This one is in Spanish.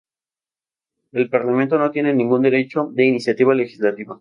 El Parlamento no tiene ningún derecho de iniciativa legislativa.